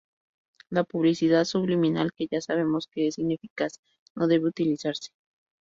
La publicidad subliminal, que ya sabemos que es ineficaz, no debe utilizarse.